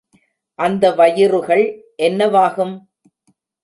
அந்த வயிறுகள் என்னவாகும்?